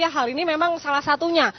hal ini memang salah satunya